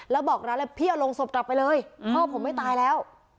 แล้วบอกร้านเลยพี่เอาลงศพกลับไปเลยพ่อผมไม่ตายแล้ว